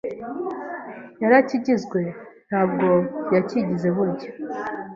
yarakigizwe ntabwo yacyigize burya